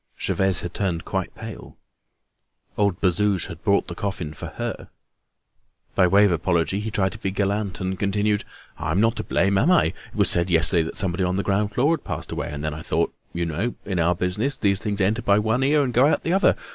Gervaise had turned quite pale. Old Bazouge had brought the coffin for her. By way of apology, he tried to be gallant, and continued: "I'm not to blame, am I? It was said yesterday that someone on the ground floor had passed away. Then I thought—you know, in our business, these things enter by one ear and go out by the other.